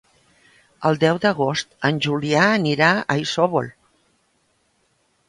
El deu d'agost en Julià anirà a Isòvol.